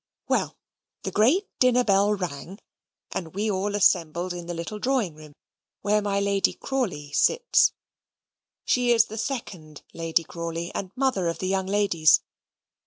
Well, the great dinner bell rang, and we all assembled in the little drawing room where my Lady Crawley sits. She is the second Lady Crawley, and mother of the young ladies.